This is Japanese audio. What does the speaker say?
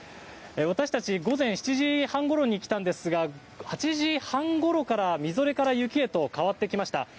私たち午前７時半ごろに来たんですが８時半ごろから、みぞれから雪へと変わってきました。